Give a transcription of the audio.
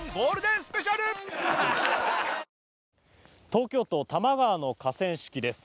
東京都・多摩川の河川敷です。